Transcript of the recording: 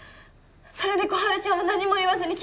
それで心春ちゃんは何も言わずに